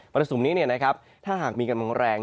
วรสุมนี้นะครับถ้าหากมีกำลังแรง